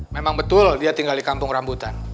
memang betul dia tinggal di kampung rambutan